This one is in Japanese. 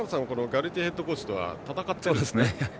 ガルティエヘッドコーチとは戦っているんですね。